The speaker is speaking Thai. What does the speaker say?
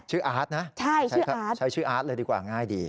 อาร์ตนะใช้ชื่ออาร์ตเลยดีกว่าง่ายดี